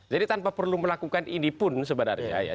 jadi tanpa perlu melakukan ini pun sebenarnya